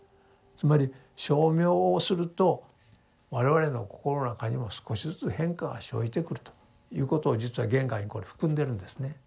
つまり称名をすると我々の心の中にも少しずつ変化が生じてくるということを実は言外にこれ含んでるんですね。